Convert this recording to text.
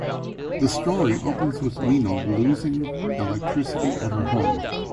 The story opens with Meenal losing electricity at her home.